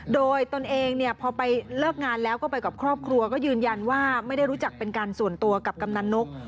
โดยตนเองเนี่ยพอไปเลิกงานแล้วก็ไปกับครอบครัวก็ยืนยันว่าไม่ได้รู้จักเป็นการส่วนตัวกับกำนันนก